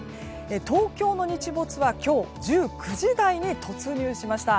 東京の日没は今日１９時台に突入しました。